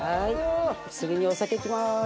次にお酒いきます。